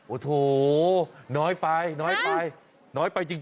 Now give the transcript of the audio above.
โอ้โถน้อยไปจริง